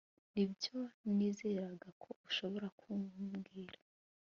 Nibyo nizeraga ko ushobora kumbwira